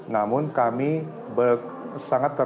namun kami sangat keras